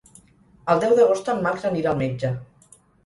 El deu d'agost en Max anirà al metge.